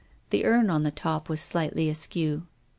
The urn on the top was slightly askew.